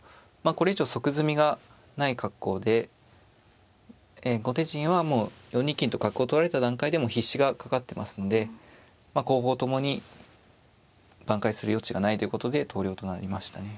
これ以上即詰みがない格好で後手陣はもう４二金と角を取られた段階でもう必至がかかってますのでまあ攻防ともに挽回する余地がないということで投了となりましたね。